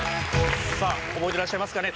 さあ覚えていらっしゃいますかね？